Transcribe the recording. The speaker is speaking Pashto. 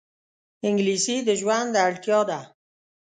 انګلیسي د ژوند اړتیا ده